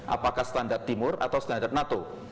apakah standar timur atau standar nato